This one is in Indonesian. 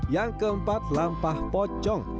yang keempat lampa pocong